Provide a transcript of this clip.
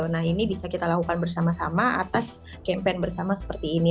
nah ini bisa kita lakukan bersama sama atas campaign bersama seperti ini